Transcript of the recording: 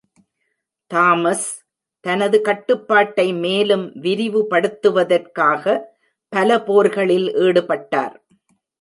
Thomas தனது கட்டுப்பாட்டை மேலும் விரிவுபடுத்துவதற்காக பல போர்களில் ஈடுபட்டார்.